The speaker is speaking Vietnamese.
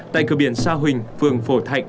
tại cửa biển sa huỳnh phường phổ thành